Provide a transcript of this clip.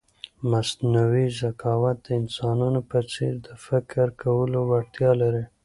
مصنوعي ذکاوت د انسانانو په څېر د فکر کولو وړتیا لري.